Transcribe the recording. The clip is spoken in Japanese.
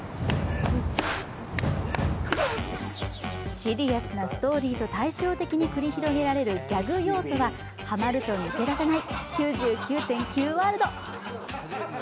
シリアスなストーリーと対称的に繰り広げられるハマると抜け出せない「９９．９」ワールド。